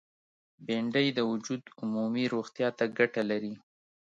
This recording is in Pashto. بېنډۍ د وجود عمومي روغتیا ته ګټه لري